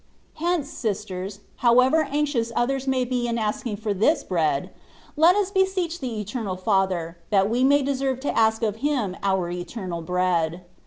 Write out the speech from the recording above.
Hence, sisters, however anxious others may be in asking for this bread, let us beseech the Eternal Father, that we may deserve to ask of Him our eternal bread.